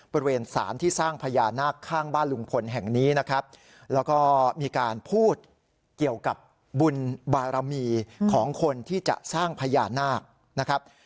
บริเวณสารที่สร้างพญานาคข้างบ้านลุงพลแห่งนี้นะครับแล้วก็มีการพูดเกี่ยวกับบุญบารมีของคนที่จะสร้างพญานาคนะครับ